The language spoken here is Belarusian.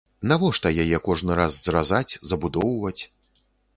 Навошта яе кожны раз зразаць, забудоўваць?